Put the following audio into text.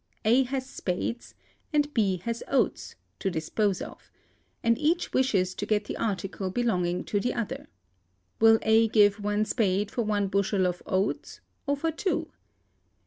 A has spades, and B has oats, to dispose of; and each wishes to get the article belonging to the other. Will A give one spade for one bushel of oats, or for two?